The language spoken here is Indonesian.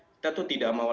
kita tuh tidak mau lagi